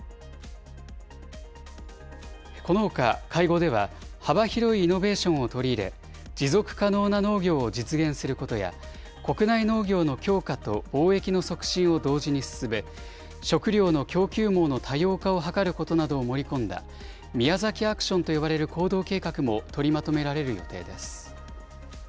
このほか会合では、幅広いイノベーションを取り入れ、持続可能な農業を実現することや、国内農業の強化と貿易の促進を同時に進め、食料の供給網の多様化を図ることなどを盛り込んだ、宮崎アクションと呼ばれる行動計画も取りまとめられる予定です。